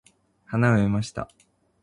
花を植えました。